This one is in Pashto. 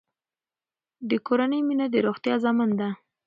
د کورنۍ مینه د روغتیا ضامن ده.